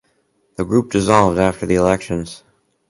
The group dissolved after the elections.